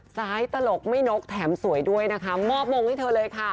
ตลกไม่นกแถมสวยด้วยนะคะมอบมงให้เธอเลยค่ะ